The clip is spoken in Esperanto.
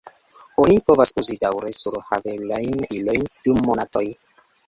Oni povas uzi daŭre surhaveblajn ilojn dum monatoj.